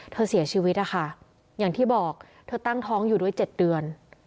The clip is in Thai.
เสียชีวิตนะคะอย่างที่บอกเธอตั้งท้องอยู่ด้วย๗เดือน